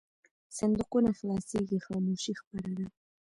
صندوقونه خلاصېږي خاموشي خپره ده.